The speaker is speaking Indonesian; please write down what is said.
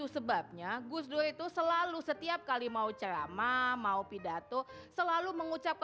surat itu selalu